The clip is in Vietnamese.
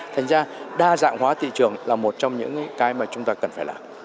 thành ra đa dạng hóa thị trường là một trong những cái mà chúng ta cần phải làm